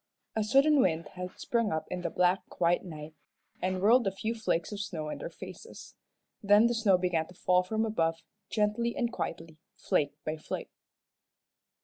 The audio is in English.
A sudden wind had sprung up in the black, quiet night, and whirled a few flakes of snow in their faces. Then the snow began to fall from above, gently and quietly, flake by flake.